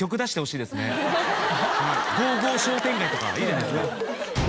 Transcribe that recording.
「ゴーゴー商店街」とかいいじゃないですか。